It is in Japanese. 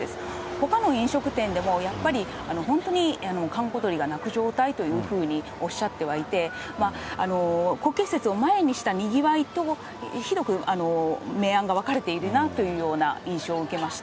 ほかの飲食店でもやっぱり本当に閑古鳥が鳴く状態というふうにおっしゃってはいて、国慶節を前にしたにぎわいとひどく明暗が分かれているなという印象を受けました。